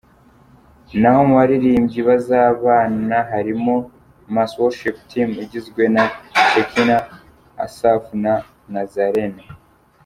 Naho mu baririmbyi bazabana harimo Mass Worship Team igizwe na Checkinah, Asaph na Nazarene.